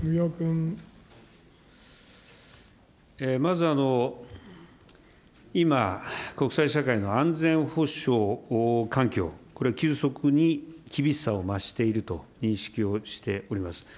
まず、今、国際社会の安全保障環境、これ、急速に厳しさを増していると認識をしております。